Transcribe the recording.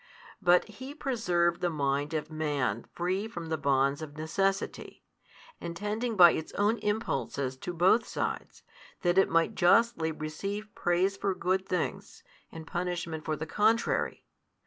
But He preserved the mind of man free from the bonds of necessity, and tending by its own impulses to both sides, that it might justly receive praise for good things, and punishment for the contrary.